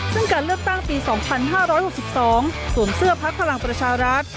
ซึ่งการเลือกตั้งปี๒๕๖๒สวมเสื้อพักพลังประชารัฐ